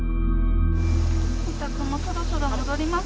お宅もそろそろ戻ります？